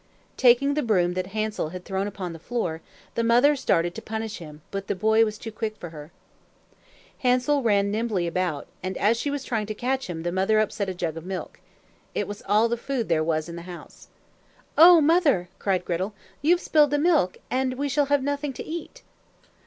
Taking the broom that Hansel had thrown upon the floor, the mother started to punish him, but the boy was too quick for her. Hansel ran nimbly about, and as she was trying to catch him, the mother upset a jug of milk. It was all the food there was in the house. "Oh, mother!" cried Gretel. "You have spilled the milk, and we shall have nothing to eat."